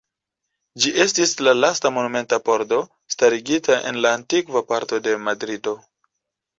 Ĝi estis la lasta monumenta pordo starigita en la antikva parto de Madrido.